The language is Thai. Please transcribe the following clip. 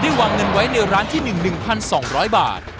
วางเงินไว้ในร้านที่๑๑๒๐๐บาท